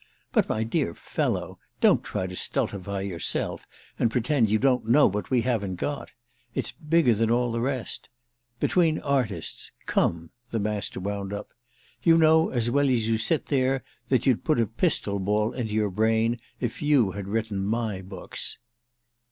But, my dear fellow, don't try to stultify yourself and pretend you don't know what we haven't got. It's bigger than all the rest. Between artists—come!" the Master wound up. "You know as well as you sit there that you'd put a pistol ball into your brain if you had written my books!"